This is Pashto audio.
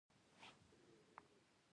نبات د اوبو سره رڼا جوړونه کوي